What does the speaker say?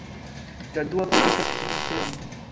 La dua parto estas tri literoj.